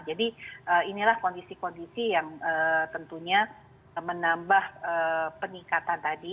jadi inilah kondisi kondisi yang tentunya menambah peningkatan tadi